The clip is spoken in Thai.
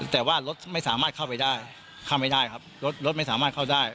แต่ว่ารถไม่สามารถเข้าไปได้เข้าไปได้ครับรถรถไม่สามารถเข้าได้